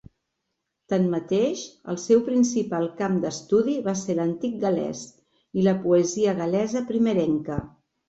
Tanmateix, el seu principal camp d'estudi va ser l'antic gal·lès i la poesia gal·lesa primerenca.